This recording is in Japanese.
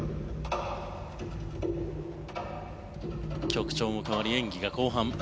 曲調も変わり演技は後半。